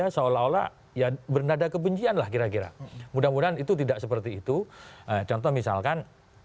seolah olah ya bernada kebencian lah kira kira mudah mudahan itu tidak seperti itu contoh misalkan